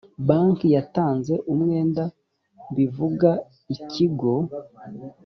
banki yatanze umwenda bivuga ikigo